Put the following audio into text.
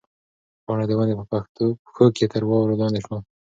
پاڼه د ونې په پښو کې تر واورو لاندې شوه.